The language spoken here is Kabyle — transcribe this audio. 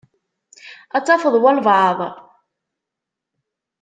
Ad tafeḍ walebɛaḍ.